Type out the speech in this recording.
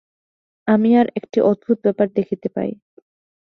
আমি আর একটি অদ্ভুত ব্যাপার দেখিতে পাই।